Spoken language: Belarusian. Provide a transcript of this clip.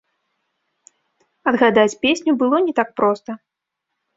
Адгадаць песню было не так проста.